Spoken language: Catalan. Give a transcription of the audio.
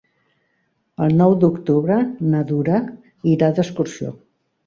El nou d'octubre na Duna irà d'excursió.